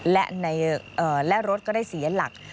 และรถก็ได้เสียหลัก